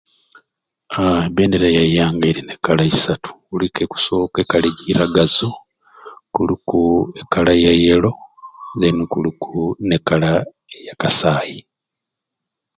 Haaa ebendera y'eyanga erina e color isatu kuliku okusooka e color egyiragazu kuluku e color ya yellow kuluku ne color ya kasai